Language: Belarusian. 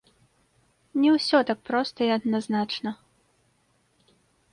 Не ўсё так проста і адназначна.